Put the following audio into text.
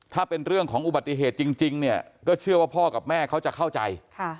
ถ้าเป็นเรื่องของอุบัติเหตุจริงเนี่ยก็เชื่อว่าพ่อกับแม่เขาจะเข้าใจ